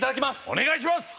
お願いします。